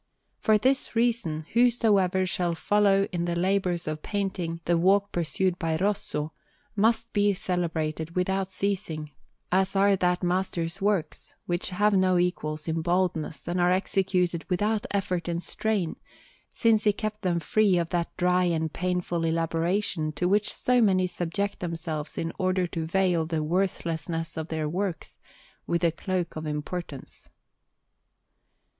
For this reason, whosoever shall follow in the labours of painting the walk pursued by Rosso, must be celebrated without ceasing, as are that master's works, which have no equals in boldness and are executed without effort and strain, since he kept them free of that dry and painful elaboration to which so many subject themselves in order to veil the worthlessness of their works with the cloak of importance.